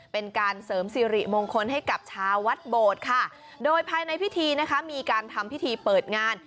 เป็นการเสริมสิริมงคลให้กับชาววัดโบดค่ะโดยภายในพิธีนะคะมีการทำพิธีเปิดงาน